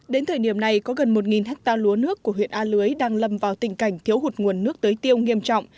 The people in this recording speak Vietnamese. đến thời điểm này có gần một ha lúa nước của huyện a lưới đang lâm vào tình cảnh thiếu hụt nguồn nước tưới tiêu nghiêm trọng